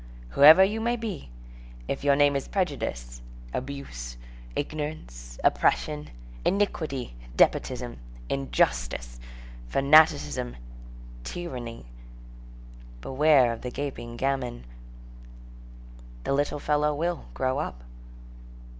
Whoever you may be, if your name is Prejudice, Abuse, Ignorance, Oppression, Iniquity, Despotism, Injustice, Fanaticism, Tyranny, beware of the gaping gamin. The little fellow will grow up.